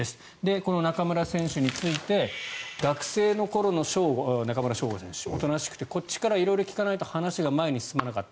この中村選手について学生の頃の匠吾はおとなしくてこっちから色々聞かないと話が前に進まなかった。